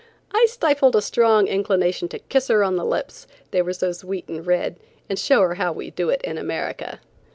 I stifled a strong inclination to kiss her on the lips, they were so sweet and red, and show her how we do it in America.